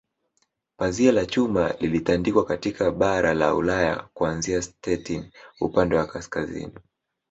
Pazia la Chuma lilitandikwa katika bara la Ulaya kuanzia Stettin upande wa kaskazini